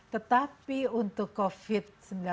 tetapi untuk covid sembilan belas